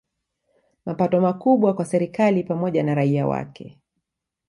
Mapato makubwa kwa serikali pamoja na raia wake